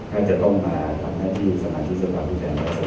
ถ้าจะต้องมาทำหน้าที่สมาชิกษัตริย์สภาคุณทางโกสตร์